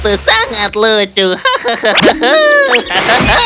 kau sangat menggecewakan